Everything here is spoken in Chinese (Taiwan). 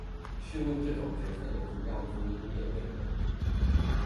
試問這種決策的主要著眼點為何？